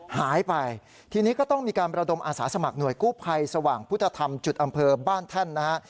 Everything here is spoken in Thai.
หายไปทีนี้ก็ต้องมีการประดมอาสาสมัครหน่วยกู้ภัยสว่างพุทธธรรมจุดอำเภอบ้านแท่นนะฮะ